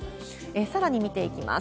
さらに見ていきます。